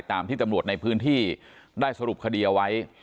ตามที่ตำรวจในพื้นที่ได้สรุปคดีเอาไว้